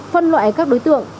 phân loại các đối tượng